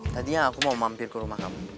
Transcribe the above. tadinya aku mau mampir ke rumah kamu